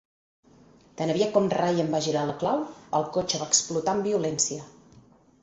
Tan aviat com Ryan va girar la clau, el cotxe va explotar amb violència.